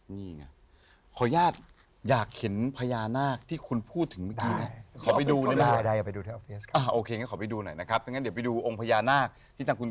นี่ไงขออนุญาตอยากเข็มพญานาคที่คุณพูดถึงเมื่อกี้นะได้